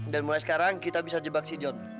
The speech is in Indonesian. dan mulai sekarang kita bisa jebak si john